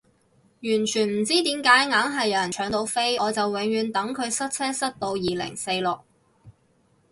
完全唔知點解硬係有人搶到飛，我就永遠等佢塞車塞到二零四六